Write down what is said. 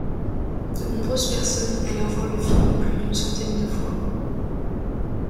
De nombreuses personnes allèrent voir le film plus d'une centaine de fois.